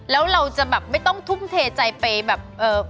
แล้วเราจะแบบไม่ต้องทุ่มเทใจไปแบบ